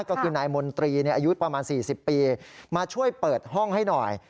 ก็คือนายมนตรีอายุประมาณ๔๐ปีมาช่วยเปิดห้องให้หน่อย